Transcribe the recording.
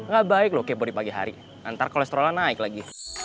gak baik lo kebodi pagi hari ntar kolesterolnya naik lagi